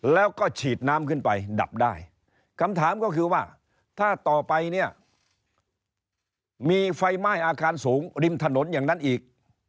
แล้วก็ฉีดน้ำขึ้นไปดับได้คำถามก็คือว่าถ้าต่อไปเนี่ยมีไฟไหม้อาคารสูงริมถนนอย่างนั้นอีก